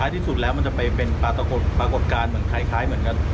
ที่กลัวไม่มีเหมือนทุกพักข้างหน่อยกัน